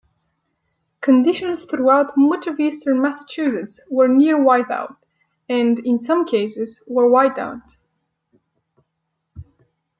Conditions throughout much of eastern Massachusetts were near-whiteout and, in some cases, were whiteout.